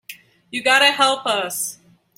You got to help us.